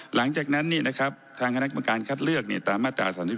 หลังจากนั้นทางคณะกรรมการคัดเลือกตามมาตรา๓๒